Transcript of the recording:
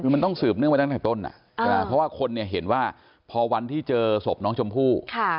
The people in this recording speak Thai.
คือมันต้องสืบเนื่องไปตั้งแต่ต้นเพราะว่าคนเห็นว่าพอวันที่เจอศพน้องชมพู่